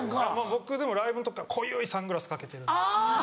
僕でもライブとか濃ゆいサングラスかけてるんで。